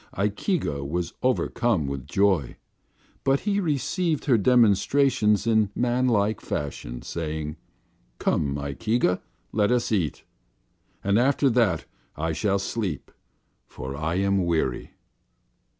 Ikeega was overcome with joy, but he received her demonstrations in manlike fashion, saying: "Come, Ikeega, let us eat. And after that I shall sleep, for I am weary."